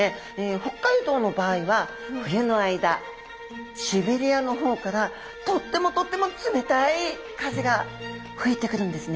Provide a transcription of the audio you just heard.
北海道の場合は冬の間シベリアの方からとってもとっても冷たい風が吹いてくるんですね。